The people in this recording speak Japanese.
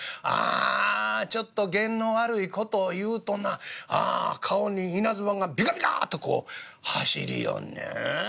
ちょっとゲンの悪い事を言うとな顔に稲妻がビカビカっとこう走りよんねん。